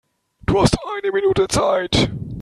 Du hast eine Minute Zeit.